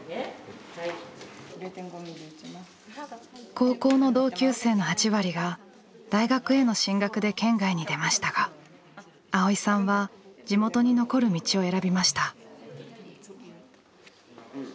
高校の同級生の８割が大学への進学で県外に出ましたが蒼依さんは地元に残る道を選びました。